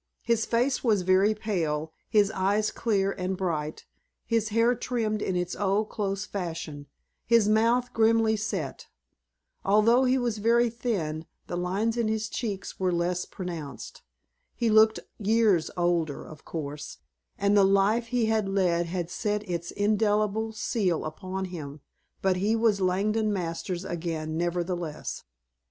His face was very pale, his eyes clear and bright, his hair trimmed in its old close fashion, his mouth grimly set. Although he was very thin the lines in his cheeks were less pronounced. He looked years older, of course, and the life he had led had set its indelible seal upon him, but he was Langdon Masters again nevertheless.